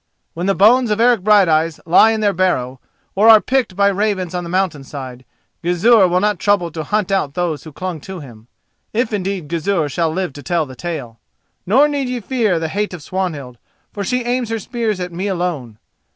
When the bones of Eric Brighteyes lie in their barrow, or are picked by ravens on the mountain side, Gizur will not trouble to hunt out those who clung to him, if indeed Gizur shall live to tell the tale. Nor need ye fear the hate of Swanhild, for she aims her spears at me alone.